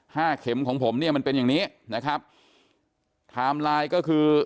เข็มของผมเนี่ยมันเป็นอย่างนี้นะครับไทม์ไลน์ก็คือ